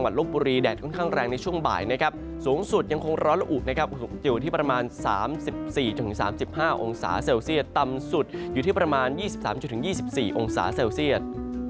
ต่ำสุดอยู่ที่ประมาณ๑๓องศาเซลเซียต